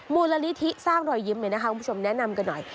มูลนิธิสร้างรอยยิ้มเลยนะคะคุณผู้ชมแนะนำกันหน่อย